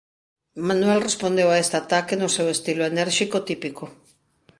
Manuel respondeu a este ataque no seu estilo enérxico típico.